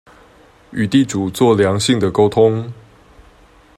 與地主做良性的溝通